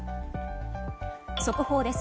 速報です。